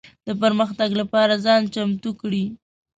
د پرمختګ لپاره ځان چمتو کړي.